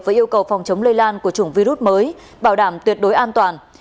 với yêu cầu phòng chống lây lan của chủng virus mới bảo đảm tuyệt đối an toàn